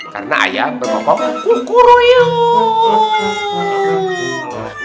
karena ayam berkokok kukuruyuk